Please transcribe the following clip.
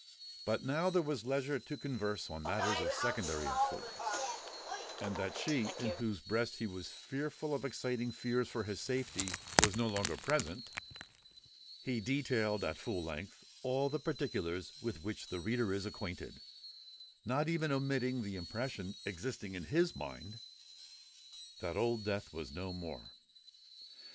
But now that there was leisure to converse on matters of secondary importance, and that she in whose breast he was fearful of exciting fears for his safety was no longer present, he detailed at full length all the particulars with which the reader is acquainted, not even omitting the impression existing in his mind that Old Death was no more.